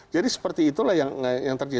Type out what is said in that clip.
jadi seperti itulah yang terjadi